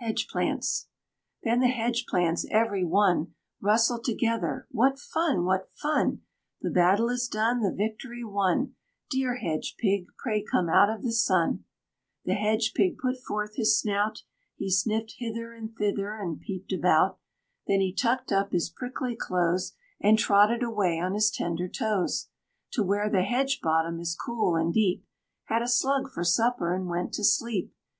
HEDGE PLANTS. Then the Hedge plants every one Rustled together, "What fun! what fun! The battle is done, The victory won. Dear Hedge pig, pray come out of the Sun." The Hedge pig put forth his snout, He sniffed hither and thither and peeped about; Then he tucked up his prickly clothes, And trotted away on his tender toes To where the hedge bottom is cool and deep, Had a slug for supper, and went to sleep.